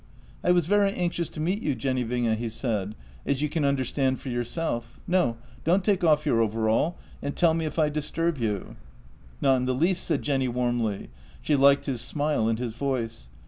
" I was very anxious to meet you, Jenny Winge," he said, " as you can understand for yourself. No; don't take off your overall, and tell me if I disturb you." " Not in the least," said Jenny warmly. She liked his smile and his voice.